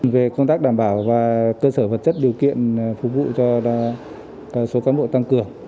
về công tác đảm bảo và cơ sở vật chất điều kiện phục vụ cho số cán bộ tăng cường